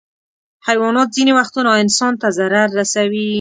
حیوانات ځینې وختونه انسان ته ضرر رسوي.